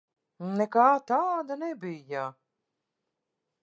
Nekā tāda nebija.